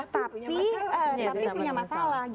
tapi punya masalah